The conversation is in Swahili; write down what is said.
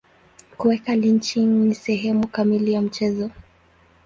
Kuweka lynching ni sehemu kamili ya mchezo.